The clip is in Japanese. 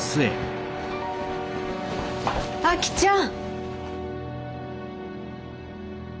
あきちゃん。